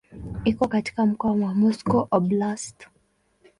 Iko katika mkoa wa Moscow Oblast.